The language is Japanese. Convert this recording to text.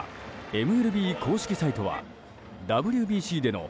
ＭＬＢ公式サイトはＷＢＣでの